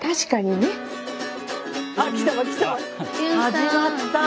始まった。